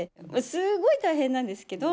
すごい大変なんですけど。